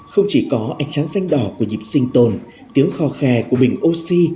không chỉ có ánh sáng xanh đỏ của dịp sinh tồn tiếng khò khè của bình oxy